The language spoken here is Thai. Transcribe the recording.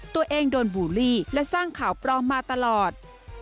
ตัวเองโดนบูลลี่และสร้างข่าวปลอมมาตลอด